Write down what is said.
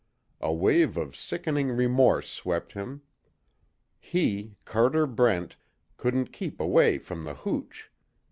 A wave of sickening remorse swept him. He, Carter Brent, couldn't keep away from the hooch.